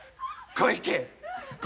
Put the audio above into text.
小池。